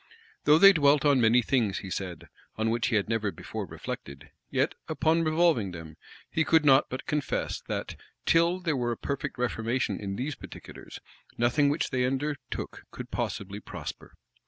Though they dwelt on many things, he said, on which he had never before reflected, yet, upon revolving them, he could not but confess that, till there were a perfect reformation in these particulars, nothing which they undertook could possibly prosper.